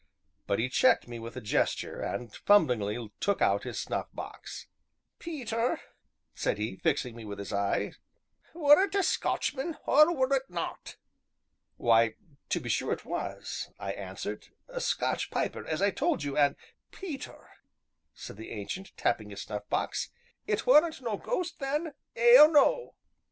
But he checked me with a gesture, and fumblingly took out his snuff box. "Peter," said he, fixing me with his eye, "were it a Scotchman or were it not?" "Why, to be sure it was," I answered, "a Scotch piper, as I told you, and " "Peter," said the Ancient, tapping his snuff box, "it weren't no ghost, then ay or no."